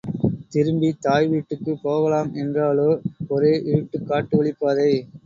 திரும்பித் தாய் வீட்டுக்குப் போகலாம் என்றாலோ ஒரே இருட்டு காட்டு வழிப்பாதை.